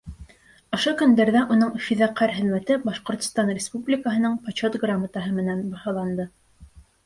Ошо көндәрҙә уның фиҙакәр хеҙмәте Башҡортостан Республикаһының Почет грамотаһы менән баһаланды.